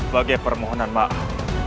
bagi permohonan maaf